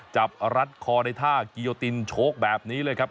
รัดคอในท่ากิโยตินโชคแบบนี้เลยครับ